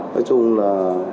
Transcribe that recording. nói chung là